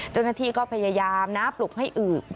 เจ้าหน้าที่ก็พยายามนะปลุกให้อืบ